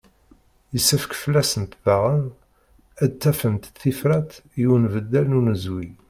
Yessefk fell-asent daɣen ad d-afent tifrat i unbeddal n unezwi.